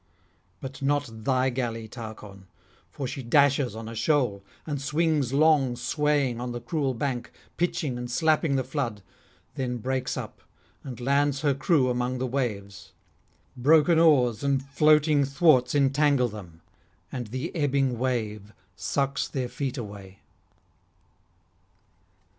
But not thy galley, Tarchon; for she dashes on a shoal, and swings long swaying on the cruel bank, pitching and slapping the flood, then breaks up, and lands her crew among the waves. Broken oars and floating thwarts entangle them, and the ebbing wave sucks their feet away.